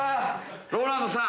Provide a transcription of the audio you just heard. ＲＯＬＡＮＤさん。